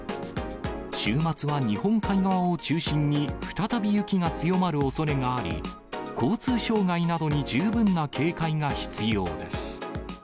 週末は日本海側を中心に再び雪が強まるおそれがあり、交通障害などに十分な警戒が必要です。